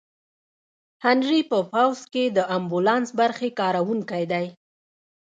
هنري په پوځ کې د امبولانس برخې کارکوونکی دی.